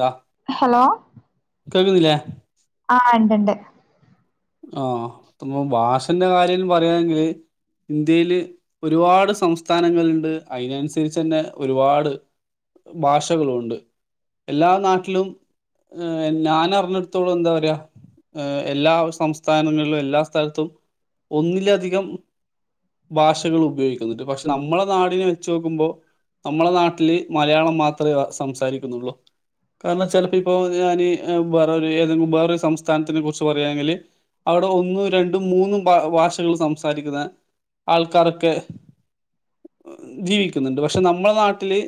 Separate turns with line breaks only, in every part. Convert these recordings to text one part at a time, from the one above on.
ടാ
ഹലോ
കേൾക്കുന്നില്ലേ
ആ ഉണ്ടണ്ട്
ആഹ ഇപ്പ ഭാഷന്റെ കാര്യം പറയാണെങ്കില് ഇന്ത്യയില് ഒരുപാട് സംസ്ഥാനങ്ങളുണ്ട് അതിനന്നുസരിച്ച് തന്നെ ഒരുപാട് ഭാഷകളുംുണ്ട് എല്ലാ നാട്ടിലും ഏ ഞാൻ അറിഞ്ഞെടുത്തോളൂ എന്താ പറയാ എല്ലാ സംസ്ഥാനങ്ങളിലും എല്ലാ സ്ഥലത്തും ഒന്നിലധികം ഭാഷകൾ ഉപയോഗിക്കുന്നുണ്ട് പക്ഷെ നമ്മളെ നാടിനെ വെച്ച്ു നോക്കുമ്പോ നമ്മളെ നാട്ടില് മലയാളം മാത്രമേ സംസാരിക്കുന്നുള്ളൂ കാരണം ചിലപ്പോ ഇപ്പോൊ ഞാൻ വേറെ ഏതെങ്കിലും വേററെരു സംസ്ഥാനത്തിനെ കുറിച്ച് പറയാണെങ്കിൽ അവിടെ ഒന്നും രണ്ടും മൂന്നും ഭ ഭാഷകൾ സംസാരിക്കുന്ന ആൾക്കാരൊക്കെ ജീവിക്കുന്നുണ്ട് പക്ഷെ നമ്മള നാട്ടില്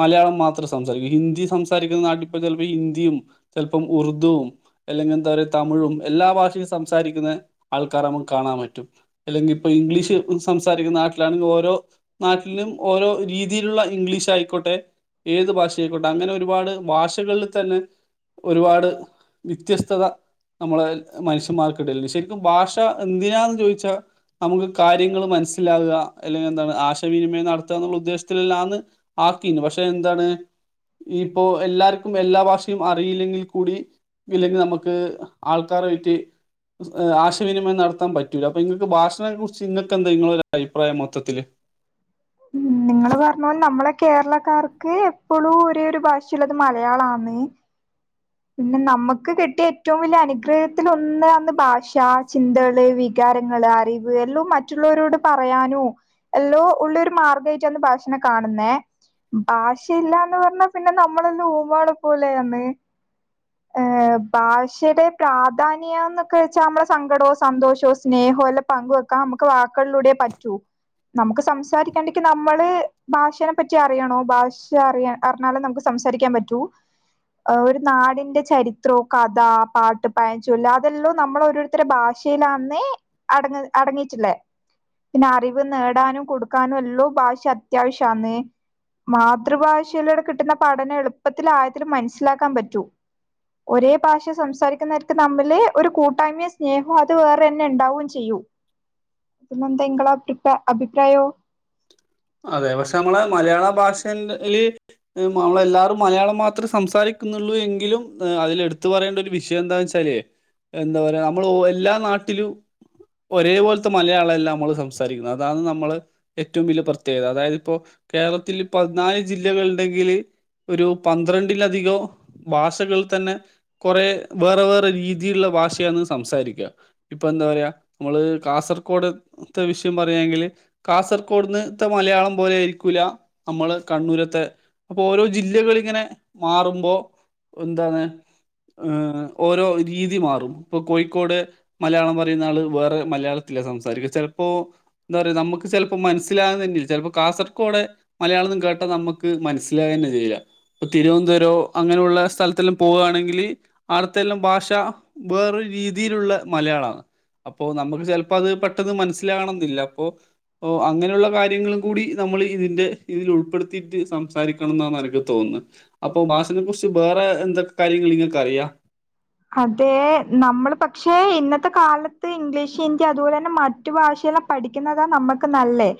മലയാളം മാത്രം സംസാരിക്കും ഹിന്ദി സംസാരിക്കുന്ന നാട്ടിപ്പ ചിലപ്പോ ഹിന്ദിയും ചിലപ്പം ഉർുദുവും അല്ലെങ്കിൽ എന്താ പറയുക തമിഴും എല്ലാ ഭാഷയും സംസാരിക്കുന്ന ആൾക്കാരെ നമുക്ക് കാണാൻ പറ്റും അല്ലെങ്കിൽ ഇപ്പ ഇംഗ്ലീഷ് സംസാരിക്കുന്ന- നാട്ടിലാണെങ്കിൽ ഓരോ നാട്ടിലും ഓരോ രീതിയിലുള്ള ഇംഗ്ലീഷ് ആയിക്കോട്ടെ ഏത് ഭാഷയായിക്കോട്ടെ അങ്ങനെ ഒരുപാട് ഭാഷകളിൽ തന്നെ ഒരുപാട് വ്യത്യസ്തത നമ്മളെ മനുഷ്യന്മാർക്ക്ിടല ശരിക്കും ഭാഷ എന്തിനാാല ചോദിച്ച നമുക്ക് കാര്യങ്ങൾ മനസ്സിലാകുക അല്ലെങ്കിൽ എന്താണ് ആശവിനിമയം നടത്തുക എന്നുള്ള ഉദ്ദേശ ല്ലന്ന് ആക്കീു പക്ഷെ എന്താണ് ഇപ്പോൊ എല്ലാർക്കും എല്ലാ ഭാഷയും അറിയില്ലെങ്കിൽ കൂടി ഇല്ലെങ്കിൽ നമുക്ക് ആൾക്കാർ വട്ട് ആശയവിനിമയം നടത്താൻ പറ്റൂല അപ്പൊ നിങ്ങൾക്ക് ഭാഷണെ കുറിച്ച് നിങ്ങൾക്ക് എന്താ നിങ്ങളൊ ഒരു അഭിപ്രായം മൊത്തത്തില്
[inaudible] ഉ നിങ്ങള്ൾ പറഞ്ഞ പോ നമ്മളെ കേരളക്കാർക്ക് എപ്പോഴും ഒരേ ഒരു ഭാഷയള്ളത് മലയാളമാണ് ണ് പിന്നെ നമുക്ക് കിട്ടിയ ഏറ്റവും വലിയ അനുഗ്രഹത്തിൽ ഒന്നന്ന് ഭാഷ ചിന്തകള് വിക [inaudible] അറിവ് എല്ലോ മറ്റുള്ളവരോട് പറയാനോ എല്ലോ ഉള്ളരു മാർഗ്ഗമായിട്ട ഭാഷനെകാണ് കാണുന്നേ ഭാഷയില്ലന്ന് പറഞ്ഞ പിന്നെ നമ്മളന്ന ഊമാള പോലെന്ന് ആഹ ഭാഷയുടെ പ്രാധാന്യന്നൊക്കെ വെച്ചാൽ നമ്മളെ സങ്കടവുംോ സന്തോഷവും സ്നേഹവും എല്ലാം പങ്കക് വെക്ക ക്ക നമുക്ക് വാക്കളിലൂടെ പറ്റൂ നമുക്ക് സംസാരിക്കാണ്ടരിക്ക നമ്മള് ഭാഷേനെ പറ്റി അറിയണോ ഭാഷ അറിയ അറിഞ്ഞാാലേ നമുക്ക് സംസാരിക്കാൻ പറ്റൂ നാടി ചരിത്രം കഥ പാട്ട് പയഞ്ചൊല്ല അതെല്ലാം നമ്മള രോരുത്തരു ഭാഷയിലാന്ന അട അടങ്ങിയിട്ടില്ലേ പിന്നെ അറിവ് നേടാനും കൊടുക്കാനും എല്ലോ ഭാഷ അത്യാവശ്യന്ന് മാതൃഭാഷയിലൂടെ കിട്ടുന്ന പഠനം എളുപ്പത്തിലും ആയത്തിലും മനസ്സിലാക്കാൻ പറ്റൂ. ഒരേ ഭാഷ സംസാരിക്കുന്നവർക്ക് തമ്മില് ഒരു കൂട്ടായ്മയും സ്നേഹവും അത് വേറെ തന്നെ ഉണ്ടാവുകയും ചെയ്യും പിന്നെന്താ ഇങ്ങള [unintelligible] അഭിപ്രായോ
അതെ പക്ഷെ നമ്മള മലയാള ഭാഷേന്റെ [unintelligible] മ്ഹ് മമ്മളെല്ലാവരും മലയാളം മാത്രേ സംസാരിക്കുന്നുള്ളൂ എങ്കിലും അതില് എടുത്തു പറയേണ്ട ഒരു വിഷയം എന്താവെച്ചാ [unintelligible] എന്താ പറയാ നമ്മള് ഒ എല്ലാ നാട്ടിലും ഒരേ പോലത്ത മലയാളം അല്ല അമ്മള് സംസാരിക്കുന്നത് അതാണ് നമ്മള് ഏറ്റവും വല്യ പ്രത്യേകത. അതായത് ഇപ്പോ കേരളത്തില് പതിനാല് ജില്ലകള് ഇണ്ടെങ്കില് ഒരു പന്ത്രണ്ടിലധികം ഭാഷകൾ തന്നെ കൊറെ വേറെ വേറെ രീതിയുള്ള ഭാഷയാന്ന് സംസാരിക്കാ. ഇപ്പൊ എന്താ പറയാ അമ്മള് കാസർഗോട് ത്തെ വിഷയം പറയാങ്കില് കാസർഗോഡ്ന്ന് ത്തെ മലയാളം പോലെ ആയിരിക്കൂല നമ്മള് കണ്ണൂരത്തെ അപ്പൊ ഓരോ ജില്ലകളിങ്ങനെ മാറുമ്പോ എന്താന്ന് ഏഹ് ഓരോ രീതി മാറും. ഇപ്പൊ കോയിക്കോട് മലയാളം പറയുന്ന ആള് വേറെ മലയാളത്തില് [unintelligible] സംസാരിക്ക ചെലപ്പോ എന്താ പറയ നമുക്ക് ചെല ഇപ്പൊ മനസ്സിലാഉന്നെന്നെ ചെൽപ്പോ കാസർകോടെ മലയാളതും കേട്ട നമുക്ക് മനസിലാഏന്നെ ചെയ്യുല. തിരുവനന്തപുരം അങ്ങനെയുള്ള സ്ഥലത്തെല്ലാം പോവാണെങ്കില് ആട്ത്തെല്ലാം ഭാഷ വേറൊ രീ തിലുള്ള മലയാളാന്ന് അപ്പൊ നമുക്ക് ചെൽപ്പോ അത് പെട്ടെന്ന് മനസ്സിലാകണം ഇല്ല. പ്പൊ പ്പോ അങ്ങനെയുള്ള കാര്യങ്ങളും കൂടി നമ്മള് ഇതിൻ്റെ ഇതിൽ ഉൾപ്പെടുത്തിയിട്ട് സംസാരിക്കണംന്നാണ് എനിക്ക് തോന്നുന്നെ അപ്പൊ ഭാഷനെക്കുറിച്ച് വേറെ എന്തൊക്കെ കാര്യങ്ങൾ നിങ്ങൾക്ക് അറിയാ?
അതെ നമ്മള് പക്ഷെ ഇന്നത്തെ കാലത്ത് ഇംഗ്ലീഷ് ഇന്ത്യ അതുപോലെ തന്നെ മറ്റു ഭാഷ ക്ക്ന്ന പഠിക്കുന്നതാ നമക്ക് നല്ലേ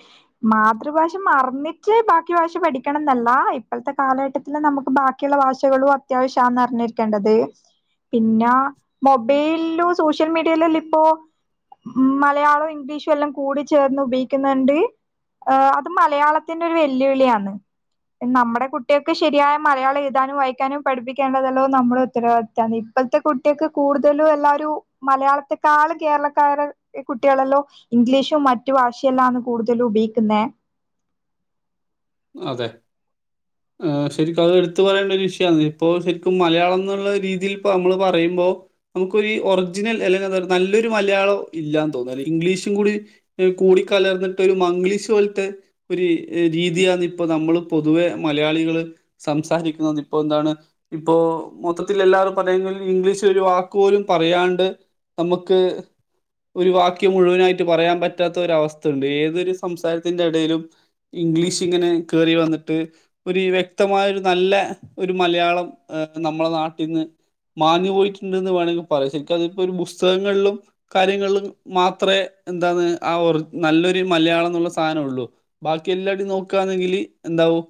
മാതൃഭാഷ മറന്നിട്ട് ബാക്കി ഭാഷ പഠിക്കണം ന്ന അ ഇപ്പള്ത്തെ കാലഘട്ടത്തില് നമുക്ക് ബാക്കിയുള്ള ഭാഷകളും അത്യാവശ്യാന്ന് അറിഞ്ഞിരിക്കേണ്ടത്. പിന്നെ മൊബൈലോ സോഷ്യൽ മീഡിയയിലല്ല ഇപ്പോ മലയാളവും ഇംഗ്ലീഷും എല്ലാം കൂടി ചേർന്ന് ഉപയോഗിക്കുന്നുണ്ട് ഏഹ് അത് മലയാളത്തിന്റെ ഒരു വെല്ലുവിളിയാണ്. നമ്മടെ കുട്ടിൾക്ക് ശരിയായ മലയാളം എഴുതാനും വായിക്കാനും പഠിപ്പിക്കേണ്ടതല്ലോ നമ്മുടെ ഉത്തരവാദിത്താണ്. ഇപ്പത്തെ കുട്ട്യേക് കൂടുതലും എല്ലാരും മലയാളത്തെക്കാള് കേരളക്കാരുടെ കുട്ടികളല്ലോ ഇംഗ്ലീഷും മറ്റു ഭാഷയെല്ലാന്ന് കൂടുതലും ഉപയോയിക്കുന്നെ
അതെ ആഹ് ശരിക്കും അത് എടുത്തു പറയേണ്ട ഒരു വിഷയന്ന് ഇപ്പോ ശരിക്കും മലയാളം ന്നുള്ള രീതിയിൽ നമ്മള് പറയും. മ്പൊ നമുക്കൊര് ഒറിജിനൽ അല്ലെങ്കിന്ത നല്ലൊരു മലയാളം ഇല്ലന്ന് തോന്നുന്നു അല്ല ഇംഗ്ലീഷും കൂടി എഹ് കൂടി കലർന്നിട്ട് ഒരു മംഗ്ലീഷ് പോൽത്തെ ഒരീ രീതിയാന്നി ഇപ്പ നമ്മള് പൊതുവെ മലയാളികള് സംസാരിക്കുന്നത് പ്പോ എന്താണ് ഇപ്പോ മൊത്തത്തിലെൽ ല്ലാരും പറയുന്നു ഇംഗ്ലീഷ് ഒരു വാക്ക് പോലും പറയാണ്ട് നമുക്ക് ഒരു വാക്യം മുഴുവനായിട്ട് പറയാൻ പറ്റാത്ത ഒര അവസ്ഥ ഉണ്ട്. ഏതൊരു സംസാരത്തിന്റെ ഇടയിലും ഇംഗ്ലീഷ് ങ്ങനെ കേയറി വന്നിട്ട് ഒരു വ്യക്തമായ ഒരു നല്ല ഒരു മലയാളം എഹ് നമ്മളെ നാട്ടിന്ന് മാഞ്ഞു പോയിട്ടുണ്ടെന്ന് വേണമങ്കി പറയും ശരി ക്കതിപ്പോരു പുസ്തകങ്ങൾലും കാര്യങ്ങൾലും മാത്രേ ന്താണ് ആ ഒർ നല്ലൊരു മൽ മലയാളംന്നുള്ള സാധനൊള്ളു ബാക്കി എല്ലാടിം നോക്കാന്നെങ്കില് എന്താവും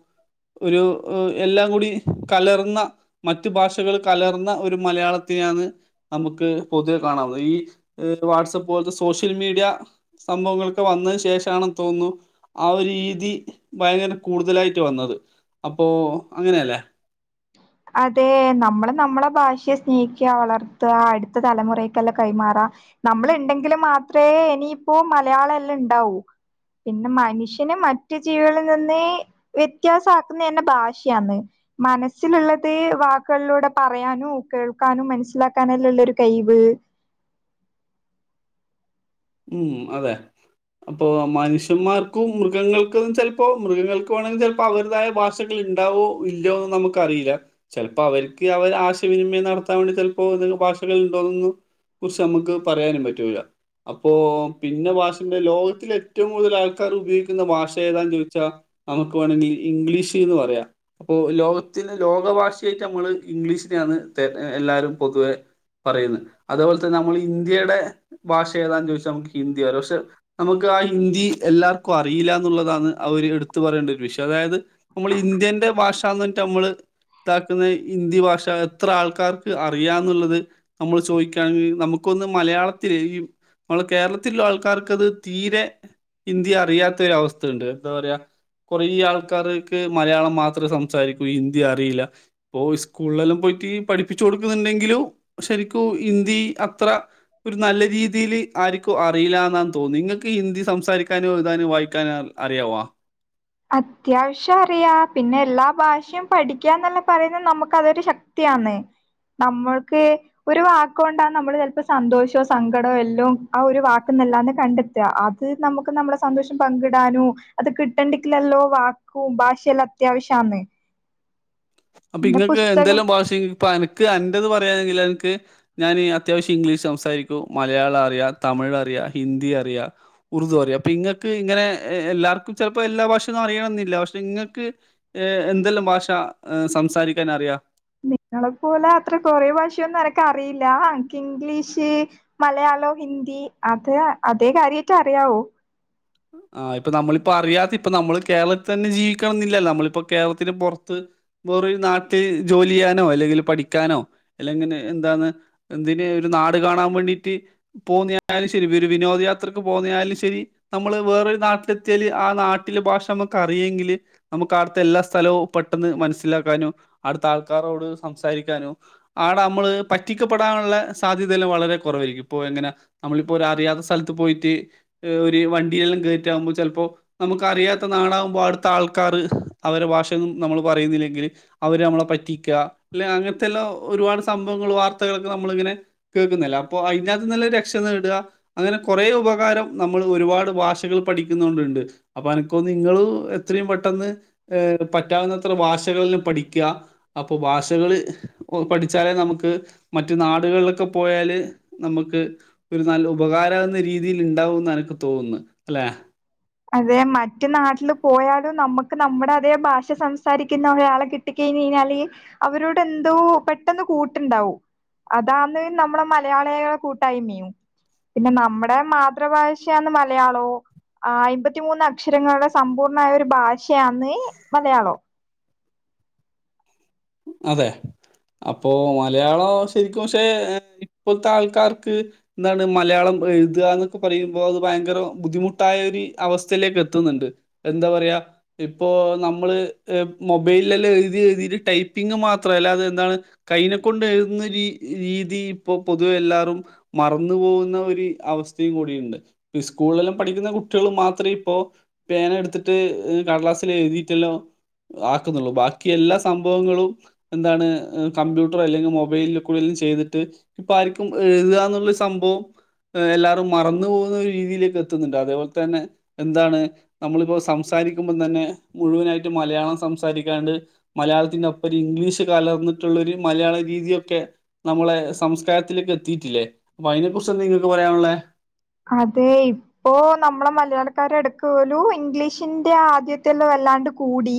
ഒരു ഹ് എല്ലാം കൂടി കലർന്ന മറ്റു ഭാഷകള് കലർന്ന ഒരു മലയാളത്തി നെ ആന്ന് നമുക്ക് പൊതുവെ കാണാവുന്നഹ് ഈ വാട്സ്പ്പ് പോലത്തെ സോഷ്യൽ മീഡിയ സ സംഭവങ്ങൾക്കെ വന്നതിന് ശേഷാണെന്ന് തോന്നുന്നു ആ ഒരു രീതി ഭയങ്കര കൂടുതലായിട്ട് വന്നത്. അപ്പോ അങ്ങനെയല്ലേ?
അതെ നമ്മള് നമ്മളെ ഭാഷയെ സ്നേഹിക്ക വളർത്ത അടുത്ത തലമുറയെക്കെല്ലാ കൈമാറാ നമ്മള് ഇണ്ടെങ്കില് മാത്രേ ഇനിയിപ്പോ മലയാളല്ലാം ഇണ്ടാവൂ. പിന്നെ മനുഷ്യന് മറ്റു ജീവികളിൽ നിന്ന് വ്യത്യാസ ആക്കുന്നതെന്നെ ഭാഷയാന്ന്. മനസ് സ്സില്ള്ളത് വാക്കുകളിലൂടെ പറയാനും കേൾക്കാനും മനസ്സിലാക്കാനല്ലള്ള ഒരു കയ് വ്
ഉം അതെ അപ്പൊ മനുഷ്യന്മാർക്കും മൃഗങ്ങൾക്ക് ചെലപ്പോ മൃഗങ്ങൾക്ക് വേണങ്ങ് ചെലപ്പ അവരുതായ ഭാഷകള് ഇണ്ടാവോ ഇല്യോന്ന് നമുക്കറീല ചെലപ്പോ അവര്ക്ക് അവരെ ആശയ വിനിമയം നടത്താൻ വേണ്ടി ചെലപ്പോ ഏതെങ്കും ഭാഷകൾ ഇണ്ടോന്നൊന്നും കുറിച്ച് നമ്മക്ക് പറയാനും പറ്റൂല. അപ്പൊ പിന്നെ ഭാഷന്റെ ലോകത്തില് ഏറ്റവും കൂടുതല് ആൾക്കാര് ഉപയോഗിക്കുന്ന ഭാഷ ഏതാന്ന് ചോയ്ച്ചാ നമുക്ക് വേണെങ്കി ഇംഗ്ലീഷ്ന്ന് പറ്യാ അപ്പോ ലോകത്തിലെ ലോക ഭാഷയായിട്ട് നമ്മള് ഇംഗ്ലീഷിനെയാ നണ് തെര എല്ലാരും പൊതുവെ പറയുന്നെ അതേപോലെ തന്നെ നമ്മള് ഇന്ത്യയ്ടെ ഭാഷ് ഏതാന്ന് ചോയ്ച്ചാ അമുക്ക് ഹിന്ദിയാറ്യ പക്ഷെ നമുക്ക് ആ ഹിന്ദി എല്ലാർ ക്കു അറീലാന്നുള്ളതാന്ന് ആ ഒര് എടുത്തു പറയേണ്ട ഒരു വിശ്വം അതായത് ഇപ്പമ്മള് ഇന്ത്യേന്റെ ഭാഷാന്ന്ട്ട് അമ്മള് ഇതാക്കുന്നേ ഹിന്ദി ഭാഷ എത്ര ആൾക്കാർക്ക് അറിയാന്ന്ള്ളത് നമ്മള് ചോയിക്കാങ്കി നമുക്കു ഒന്ന് മലയാളത്തില് ഈ ഇമ്മളെ കേരളത്തിൽ ഇള്ള ആൾക്കാർക്ക് അത് തീരെ ഹിന്ദി അറിയാത്തൊരു അവസ്ഥ ഇണ്ട് എന്താ പറയാ കൊറെയ്യൾക്കാർ ക്ക് മലയാളം മാത്രെ സംസാരിക്കൂ ഹിന്ദി അറീല പ്പൊ സ്കൂൾലല്ലാം പോയ് ഇരുത്തി പഠിപ്പിച്ചു കൊടുക്കുന്ന്ണ്ടെങ്കിലും ശരിക്കും ഹിന്ദി അത്ര ഒരു നല്ല രീതീല് ആരുക്കും അറീലാന്നാന്ന് തോന്ന്ന്നു ഇങ്ങക്ക് ഹിന്ദി സംസാ രിക്കാനും എയ്താനും വായിക്കാനും അറിയാവോ?
അത്യാവശ്യം അറിയ പിന്നെ എല്ലാ ഭാഷയും പഠിക്കാന്നല്ലെ പറയുന്നത് നമുക്ക് അതൊരു ശക്തി യാന്ന് നമ്മൾക്ക് ഒരു വാക്കോണ്ടാ നമ്മള് ചെലപ്പോ സന്തോഷോ സങ്കടോ എല്ലോം ആ ഒരു വാക്ക് എല്ലാന്ന് കണ്ടെത്താ അത് നമുക്ക് നമ്മളെ സന്തോഷം പങ്കിടാനു അത് കിട്ടണ്ടി ക്കിലല്ലോ വാക്കും ഭാഷയെല്ലാം അത്യാവശ്യാന്ന്
അപ്പൊ
പിന്നെ
ഇങ്ങക്ക്
പുസ്തകം
എന്തെല്ലാം ഭാഷ ഇപ്പൊ എനക്ക് അന്റെത് പറയാംങ്കിൽ എനക്ക് ഞാനീ അത്യാവശ്യം ഇംഗ്ലീഷ് സംസാരിക്കും- മലയാളം അറിയാ തമിഴ് അറിയാ ഹിന്ദി അറിയാ ഉറുദു പ്പറിയാ പ്പം ഇങ്ങക്ക് ഇങ്ങനെ എ എല്ലാർക്കും ചെലപ്പം എല്ലാ ഭാഷയൊന്നും അറിയണന്നില്ല പക്ഷെ ഇങ്ങക്ക് ഏഹ് എ ന്തെല്ലാം ഭാഷ സംസാരിക്കാൻ അറിയാ
നിങ്ങളെപ്പോലെ അത്ര കൊറെ ഭാഷയൊന്നും എനക്ക് അറിയില്ല. അൻക്ക് ഇംഗ്ലീഷ് മലയാ ളം ഹിന്ദി അത് അതേ കാര്യായിട്ട് അറിയാവൂ.
ആ ഇപ്പൊ നമ്മളിപ്പ അറിയാതെ ഇപ്പം നമ്മള് കേരളത്തെന്നെ ജീവിക്കണം ന്നില്ലല്ലൊ നമ്മളിപ്പോ കേരളത്തിന് പൊറത്ത് വേറൊരു നാട്ടി ജോലിയ്യാനോ അല്ലെങ്കില് പഠിക്കാനോ അല്ലെങ്കെനെ എന്താന്ന് എന്തിനെ ഏഹ് ഒരു നാട് കാണാൻ വേണ്ടിട്ട് പോവുന്നയാലും ശരി ഒരു വിനോദയാത്രക്ക് പോവ്ന്നയാലും ശരി നമ്മള് വേറൊരു നാട്ടിലെത്തിയാല് ആ നാട്ടിലെ ഭാഷ നമുക്ക് അറിയെങ്കില് നമുക്ക് ആട്ത്തെ എല്ലാ സ്ഥലവും പെ പെട്ടെന്ന് മനസ്സിലാക്കാനു ആടുത്ത ആൾക്കാരോട് സംസാരിക്കാനു ആടെ അമ്മള് പറ്റിക്കപ്പെടാനു ള്ള സാധ്യതയെല്ലാം വളരെ കൊ റവേരിക്കും ഇപ്പൊ എങ്ങനാ നമ്മള് ഇപ്പൊ ഒരു അറിയാത്തസ്ഥലത്തു പോയിട്ട് ഈ വണ്ടിയെല്ലാം കേറ്റാകുമ്പോ ചെ ലപ്പോ നമുക്ക് അറിയാത്ത നാടാവു മ്പോ ആടുത്തെ ആൾക്കാറ് അവരെ ഭാഷയൊന്നും നമ്മള് പറയിന്നില്ലെങ്കില് അവര് അ മ്മളെ പറ്റിക്ക ലേ അങ്ങനത്തെല്ലോം ഒരുപാട് സംഭവങ്ങളും വാർത്തകളൊക്കെ നമ്മളിങ്ങനെ കേക്കുന്നില്ലെ അപ്പോ അയിന്റാത്ത്ന്നെല്ല ഒരു രക്ഷ നേടാ അങ്ങനെ കൊറേ ഉപകാരം നമ് മ്മള് ഒരുപാട് ഭാഷകള് പഠിക്കുന്നോണ്ട്ണ്ട് അപ്പൊ അനക്കോന്ന് ഇങ്ങളും എത്രയും പെട്ടെന്ന് ഏ പറ്റാവുന്നത്ര ഭാഷകളെല്ലാം പഠിക്ക അപ്പൊ ഭാഷകള് പ്പൊ പഠിച്ചാലേ നമ് ക്ക് മറ്റ് നാടുകള്ലൊക്കെ പോയാല് നമ്ക്ക് ഒരു നല്ല ഉപകാരാവ്ന്ന രീതിൽ ഇണ്ടാവു ന്നെന തോന്നുന്ന് അല്ലെ
അതെ മറ്റ് നാട്ടില് പോയാലും നമ്മക്ക് നമ്മടെ അതേ ഭാഷ സംസാരിക്ക്ന്ന ഒരാളെ കിട്ടിക്കയി ഞ്ഞയ്ഞ്ഞാല് അവരോട് എന്തോ പെട്ടെന്ന് കൂട്ട്ണ്ടാവും അതാന്ന് നമ്മളെ മലയാളികളെ കൂട്ടായ്മെയും പിന്നെ നമ്മടെ മാതൃഭാഷയാന്ന് മലയാളോം ആ അയ്മ്പത്തിമൂന്ന് അക്ഷരങ്ങളുടെ സമ്പൂർണ്ണായ ഒരു ഭാഷയാന്ന് മലയാളം
അതെ അപ്പോ മലയാളം ശരിക്കും പക്ഷെ ഇപ്പൊത്തെ ആൾക്കാർക്ക് ന്താണ് മലയാളം എഴുതാ ന്നൊക്കെ പറയുമ്പോ അത് ഭയങ്കര ബുദ്ധിമുട്ടായ ഒരി അവസ്ഥയിലേക്ക് എത്ത്ന്നുണ്ട് എന്താ പറയാ ഇപ്പൊ നമ്മള് മൊബൈലില് എഴുതി എഴുതിട്ട് ടൈ പിങ്ങ് മാത്രം അല്ല അതെന്താണ് കൈനെ കൊണ്ട് എഴുതുന്ന രീ രീതി ഇപ്പൊ പൊതുവെ എല്ലാവരും മറന്നു പോവുന്ന ഒര് അവസ്ഥയും കൂടിണ്ട് ഈ സ്കൂള്ലെല്ലാം പഠിക്കുന്ന കുട്ടിയോള് മാത്രേ ഇപ്പോ പേന എട്ത്തിട്ട് ഈ കടലാസില് എഴുതിയിട്ടല്ലാം ആക്കുന്നൊള്ളൂ ബാക്കി എല്ലാ സംഭവങ്ങളും എന്താണ് ഹ് കമ്പ്യൂട്ടർ അല്ലെങ് മൊബൈല് കൂടെല്ലാം ചെയ്തിട്ട് ഇപ്പ ആര്ക്കും എഴുതാന്ന്ള്ള സംഭവം എല്ലാറും മറന്നു പോവുന്ന ഒരു രീതിയിലേക്ക് എത്തുന്നുണ്ട് അതേപോലെ തന്നെ എന്താണ് നമ്മളിപ്പോ സംസാ രിക്കുമ്പം തന്നെ മുഴുവനായിട്ട് മലയാളം സംസാരിക്കാണ്ട് മലയാളത്തിന്റെ ഒ ഒര് ഇംഗ്ലീഷ് കലർന്നിട്ടുള്ളൊരു മലയാള രീതിയൊക്കെ നമ്മളെ സംസ്കാരത്തിൽക്ക് എത്തിയിട്ടില്ലേ അപ്പൊ അയ്നെ കുറിച്ച് എന്താ ഇങ്ങക്ക് പറയാനുള്ളേ?
അതെ ഇപ്പൊ നമ്മളെ മലയാളക്കാരെടക് പോലു ഇംഗ്ലീഷിന്റെ ആദ്യത്തെല്ലാം വല്ലാണ്ട് കൂടി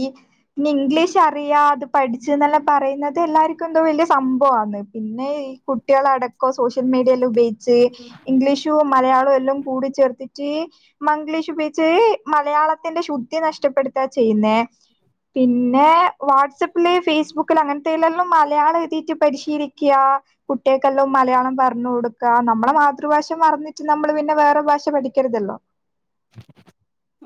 പിന്നെ ഇംഗ്ലീഷ് അറിയാ അത് പഠിച്ചുന്നല്ല പറയുന്നത് എല്ലാർക്കും എന്തോ വലിയ സംഭവാന്ന് പിന്നെ ഈ കുട്ട്യാളടക്കം സോഷ്യൽ മീഡിയ എല്ലാം ഉപയോഗിച്ച് ഇംഗ്ലീഷും മലയാളവും എല്ലാം കൂടി ചേർത്തിട്ട് മംഗ്ലീഷ് ഉപയോഗിച്ച് മലയാളത്തിന്റെ ശുദ്ധി നഷ്ടപ്പെട്ത ചെയ്യുന്നേ പിന്നെ വാട്സപ്പില് ഫേസ്ബുക്കില് അങ്ങനത്തെയ്ലല്ലാം മലയാളം എഴുതീട്ട് പരിശീലിക്കാ അ കുട്ടിയേക്കെല്ലോം മലയാളം പറഞ്ഞു കൊടുക്ക നമ്മളെ മാതൃഭാഷ മറന്ന് ട്ട് നമ്മള് പിന്നെ വേറെ ഭാഷ പഠിക്കര്തല്ലോ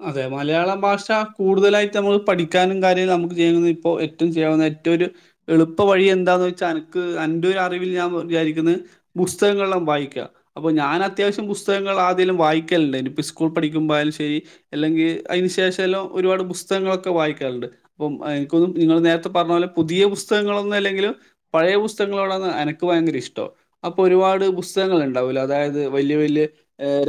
അതെ മലയാളം ഭാഷ കൂടുതലായിട്ട് നമ്മള് പഠിക്കാനും കാര്യം നമുക്ക് ചെയ്യുന്നത് ഇപ്പോ ഏറ്റവും ചെയ്യാവുന്ന മറ്റൊരു എളുപ്പ വഴി എന്താന്ന് വെച്ചാൽ അനിക്ക് അന്റെ ഒരറിവിൽ ഞാൻ വിചാരിക്കുന്നത് പുസ്തക വായിക്ക അപ്പൊ ഞാനത്യാവശ്യം പുസ്തകങ്ങൾ ആതിലും വായിക്കലുണ്ട് ഇനിപ്പോ സ്കൂ പഠികുമ്പായാലും ശരി അല്ലെങ്കിൽ അയ്നു ശേഷല്ലോം ഒരുപാട് പുസ്തകങ്ങളൊക്കെ വായിക്കലുണ്ട് അപ്പം നിങ്ങൾ നേരത്തെ പറഞ്ഞ പോലെ പുതിയ പുസ്തകങ്ങളൊന്നും അല്ലെങ്കിലും പഴയ പുസ്തകങ്ങളോടാണ് അനക്ക് ഭയങ്കര ഇഷ്ടം അപ്പൊ ഒരുപാട് പുസ്തകങ്ങൾ ഉണ്ടാവൂലേ അതായത് വലിയ വല്യ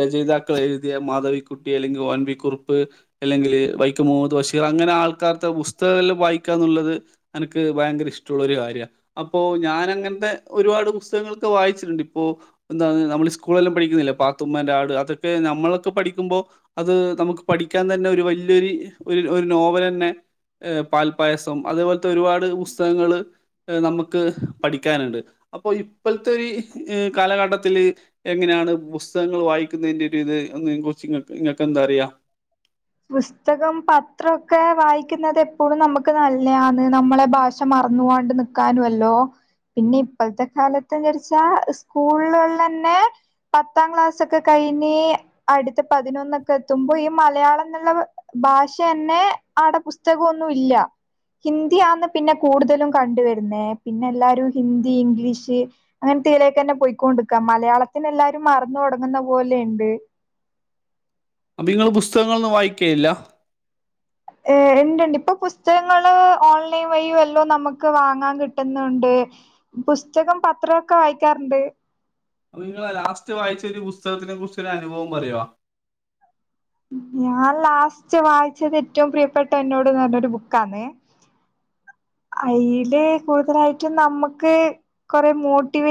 രചയിതാക്കൾ എഴുതിയ മാധവി കുട്ടി അല്ലെങ്കിൽ ഒ എൻ വി കുറുപ്പ് അല്ലെങ്കിൽ വൈക്കം മുഹമ്മദ് ബഷീർ അങ്ങനെ ആൾക്ക പുസ്തക എല്ലാം വായിക്കാന്നുള്ളത് അനക്ക് ഭയങ്കര ഇഷ്ട ള്ളൊരു കാര്യ അപ്പോ ഞാനങ്ങൻത്തെ ഒരുപാട് പുസ്തകങ്ങങ്ങളൊക്കെ വായിച്ചിട്ടുണ്ട് ഇപ്പോ എന്ത നമ്മ സ്കൂളെല്ലാം പഠിക്കുന്നില്ലെ പാത്തുമ്മന്റാട് അതൊക്കെ നമ്മളൊക്കെ പഠിക്ക ക്കുമ്പോ അത് നമുക്ക് പഠിക്കാൻ തന്നെ ഒരു വല്യോരു ഒരു ഒരു നോവൽ തന്നെ പാൽപ്പായസം അതുപോലത്തെ ഒരുപാട് പുസ്തകങ്ങള് നമുക്ക് പഠിക്കാനുണ്ട് അപ്പൊ ഇപ്പോഴത്തെ ഒരീ കാലഘട്ടത്തില് എങ്ങനെയാണ് പുസ്തകങ്ങൾ വായിക്കുന്നതിന്റെ ഒരു ഇത് കുറിച്ച് ഇങ്ങക്ക് എന്താറിയാ?
പുസ്തകം പത്രംഒക്കെ വായിക്കുന്നത് എപ്പോളും നമുക്ക് നല്ലതാന്ന് നമ്മളെ ഭാഷ മറന്ന് പോവാണ്ട് നിക്കാനുംല്ലോ പിന്നെ ഇപ്പോഴത്തെ കാലത്ത് ചദച്ചാ സ്കൂളുകളില് തന്നെ പത്താം ക്ലാസ് ഒക്കെ കഴ പിന്നീ അടുത്ത പതിനൊന്നൊക്കെ എത്തുമ്പോ ഈ മലയാളം എന്നുള്ള ഭാഷ തന്നെ ആടെ പുസ്തകമൊന്നും ഇല്ല ഹിന്ദി ആന്ന് പിന്നെ കൂടുതലും കണ്ടുവരുന്നേ പിന്നെ എല്ലാരും ഹിന്ദി ഇംഗ്ലീഷ് അങ്ങനെ ത്തെയിലേക്കന്നെ പോയിക്കൊണ്ടിരിക്കാ മലയാളത്തിനെ എല്ലാരും മറന്നു തുടങ്ങുന്ന പോലെയുണ്ട്
അപ്പൊ നിങ്ങള് പുസ്തകങ്ങളൊന്നും വായിക്കയില്ല?
ഏ ഉണ്ട്ണ്ട് ഇപ്പൊ പുസ്തകങ്ങള് ഓൺലൈൻ വഴിയും എല്ലോ നമുക്ക് വാങ്ങാൻ കിട്ടുന്നുണ്ട് ണ്ട് പുസ്തകം പത്രമൊക്കെ വായിക്കാറുണ്ട്
അപ്പൊ നിങ്ങ ലാസ്റ്റ് വായിച്ച ഒരു പുസ്തകത്തിനെ കുറിച്ചൊരു അനുഭവം പറയോ?
ഞാൻ ലാസ്റ്റ് വായിച്ചത് ഏറ്റവും പ്രിയപ്പെട്ട എന്നോട് പറഞ്ഞൊരു ബുക്കാണ് അയ്ല് കൂടുതലായിട്ടും നമ്മക്ക് കൊറെ മോട്ടിവേഷൻ